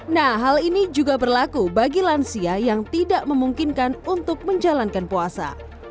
nah hal ini juga berlaku bagi lansia yang tidak memungkinkan untuk menjalankan puasa